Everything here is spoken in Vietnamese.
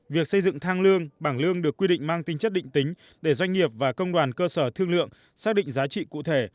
việc xây dựng thang lương bảng lương được quy định mang tính chất định tính để doanh nghiệp và công đoàn cơ sở thương lượng xác định giá trị cụ thể